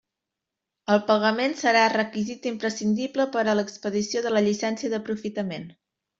El pagament serà requisit imprescindible per a l'expedició de la llicència d'aprofitament.